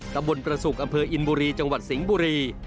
ตำบลประสุกอำเภออินบุรีจังหวัดสิงห์บุรี